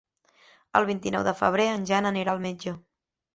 El vint-i-nou de febrer en Jan anirà al metge.